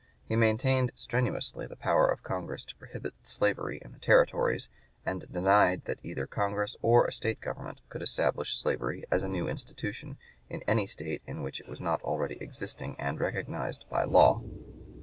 He maintained strenuously the power of Congress to prohibit slavery in the Territories, and denied that either Congress or a state government could establish slavery as a new institution in any State in which it was not already existing and recognized by law.